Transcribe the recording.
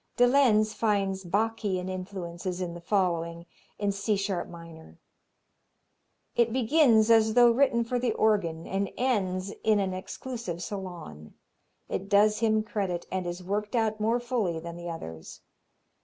De Lenz finds Bach ian influences in the following, in C sharp minor: "It begins as though written for the organ, and ends in an exclusive salon; it does him credit and is worked out more fully than the others.